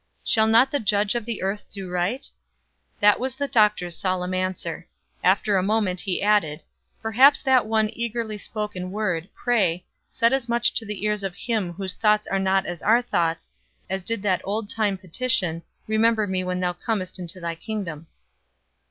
"Shall not the Judge of all the earth do right?" This was the doctor's solemn answer. After a moment, he added: "Perhaps that one eagerly spoken word, 'Pray,' said as much to the ears of Him whose thoughts are not as our thoughts, as did that old time petition 'Remember me when thou comest into thy kingdom.'"